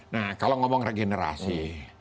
nah kalau ngomong regenerasi